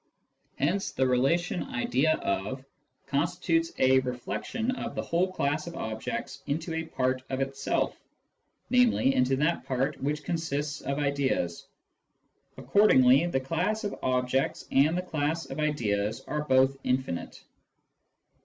Hence the relation " idea of" constitutes a reflexion of the whole class of objects into a part of itself, namely, into that part which consists of ideas. Accordingly, the class of objects and the class of ideas are both infinite.